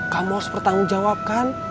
kamu harus bertanggung jawab kan